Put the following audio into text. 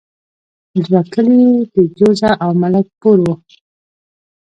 دوه کلي د جوزه او ملک پور وو.